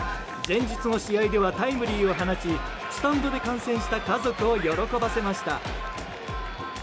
前日の試合ではタイムリーを放ちスタンドで観戦した家族を喜ばせました。